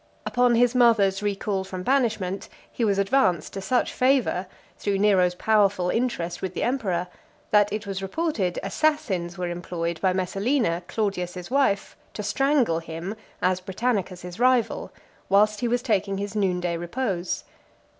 Upon his mother's recall from banishment, he was advanced to such favour, through Nero's powerful interest with the emperor, that it was reported, assassins were employed by Messalina, Claudius's wife, to strangle him, as Britannicus's rival, whilst he was taking his noon day repose.